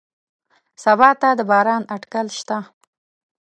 سبا ته د باران اټکل شته